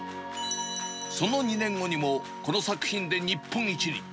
その２年後にも、この作品で日本一に。